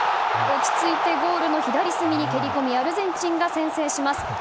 落ち着いてゴールの左隅に滑り込みアルゼンチンが先制します。